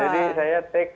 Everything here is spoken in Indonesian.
jadi saya take